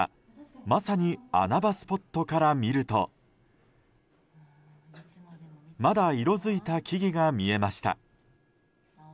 まさに穴場スポットから見るとまだ色づいた木々が見えました。